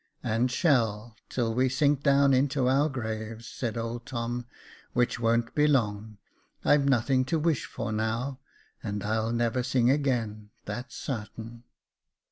" And shall, till we sink down into our own graves," said old Tom, " which won't be long. I've nothing to wish for now, and I'll never sing again, that's sartain.